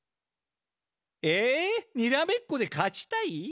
ええにらめっこで勝ちたい？